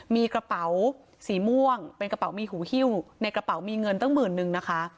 มีกระเป๋าสีม่วงเป็นกระเป๋ามีหูฮิ้วในกระเป๋ามีเงินตั้งหมื่นนึงนะคะ